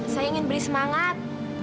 saya ingin beri semangat